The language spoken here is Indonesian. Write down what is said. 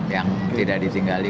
yang tidak ditinggali